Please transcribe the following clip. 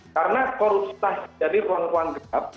karena korupsi itu menjadi ruang ruang kehab